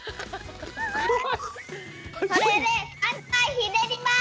それで３かいひねります。